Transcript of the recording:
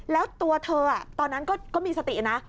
แล้วตัวเธอตอนนั้นก็มีสตินะ